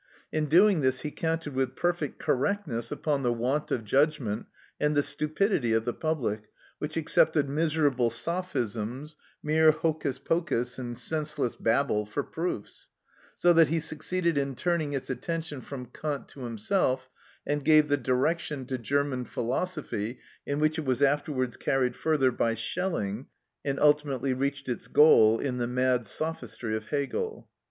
In doing this, he counted with perfect correctness upon the want of judgment and the stupidity of the public, which accepted miserable sophisms, mere hocus pocus and senseless babble, for proofs; so that he succeeded in turning its attention from Kant to himself, and gave the direction to German philosophy in which it was afterwards carried further by Schelling, and ultimately reached its goal in the mad sophistry of Hegel.